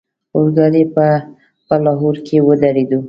اورګاډی به په لاهور کې ودرېدو.